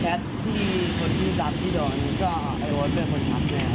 แชทที่สำคัญที่โดรนอีเวิร์ดคือโอ๊ตเป็นคนทำอะไร